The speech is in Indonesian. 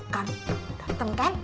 kan dateng kan